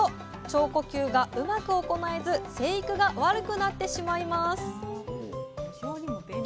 「腸呼吸」がうまく行えず成育が悪くなってしまいます